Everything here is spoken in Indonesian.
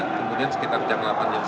kemudian sekitar jam delapan ya